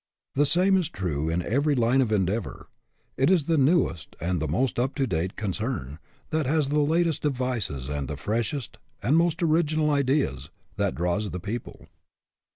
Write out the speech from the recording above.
The same is true in every line of endeavor. It is the newest and the most up to date con cern, that has the latest devices and the fresh est, and most original ideas, that draws the people.